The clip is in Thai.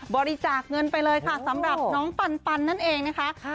บริจาคเงินไปเลยค่ะสำหรับน้องปันนั่นเองนะคะ